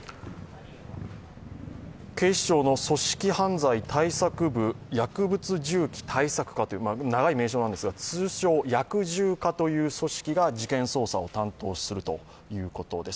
警視庁の組織犯罪対策部薬物銃器対策課長い名称なんですが、通称・薬銃課が事件捜査を担当するということです。